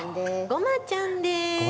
ごまちゃんです。